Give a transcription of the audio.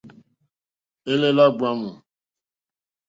Elele ya gbamu.